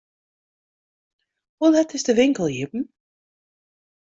Hoe let is de winkel iepen?